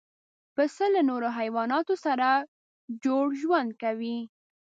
پسه له نورو حیواناتو سره جوړ ژوند کوي.